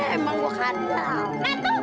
emang gua kerasa